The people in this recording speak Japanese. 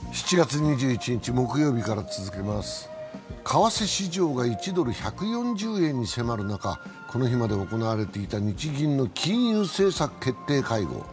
為替市場が１ドル＝１４０円に迫る中、この日まで行われていた日銀の金融緩和政策決定会合。